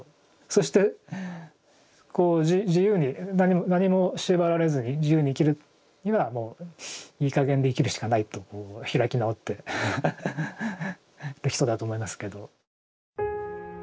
そしてこう自由に何も縛られずに自由に生きるにはいいかげんで生きるしかないとこう開き直ってる人だと思いますけど。